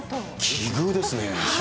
奇遇ですね。